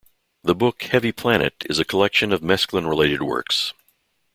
The book "Heavy Planet" is a collection of Mesklin-related works.